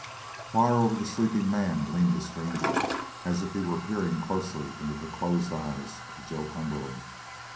Far over the sleeping man leaned the stranger, as if he were peering closely into the closed eyes of Joe Cumberland.